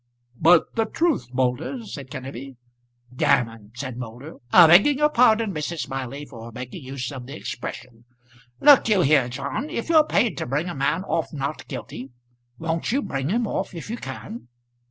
"But the truth, Moulder !" said Kenneby. "Gammon!" said Moulder. "Begging your pardon, Mrs. Smiley, for making use of the expression. Look you here, John; if you're paid to bring a man off not guilty, won't you bring him off if you can?